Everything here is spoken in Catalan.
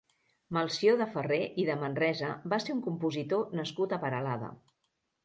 Melcior de Ferrer i de Manresa va ser un compositor nascut a Peralada.